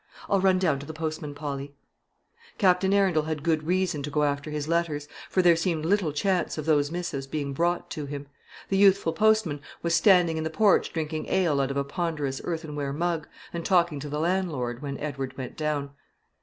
I'll run down to the postman, Polly." Captain Arundel had good reason to go after his letters, for there seemed little chance of those missives being brought to him. The youthful postman was standing in the porch drinking ale out of a ponderous earthenware mug, and talking to the landlord, when Edward went down.